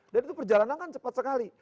dan itu perjalanan kan cepat sekali